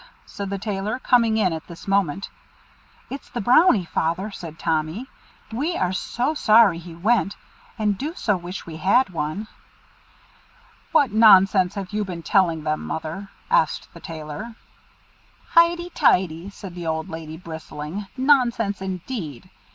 said the Tailor, coming in at this moment. "It's the Brownie, Father," said Tommy. "We are so sorry he went, and do so wish we had one." "What nonsense have you been telling them, Mother?" asked the Tailor. "Heighty teighty," said the old lady, bristling. "Nonsense, indeed!